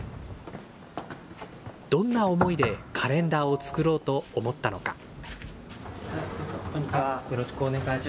どんな思いでカレンダーを作ろうと思ったのか。